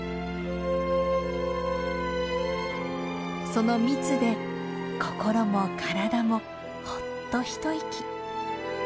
その蜜で心も体もほっと一息。